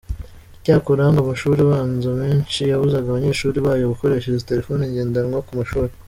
Icyakora ngo amashuri abanza menshi yabuzaga abanyeshuri bayo gukoresha izi telephone njyendanwa ku mashuri.